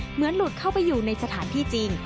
หลุดเข้าไปอยู่ในสถานที่จริง